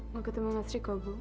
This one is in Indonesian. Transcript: mau ketemu mas riko bu